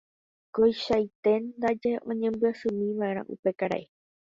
Koichaite ndaje oñembyasýmiva'erã upe karai